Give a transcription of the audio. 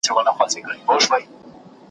چي به ما یې رابللی ته به زما سره خپلېږي ,